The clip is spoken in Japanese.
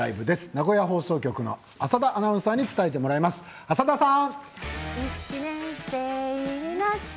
名古屋放送局の浅田アナウンサーに伝えてもらいます、浅田さん。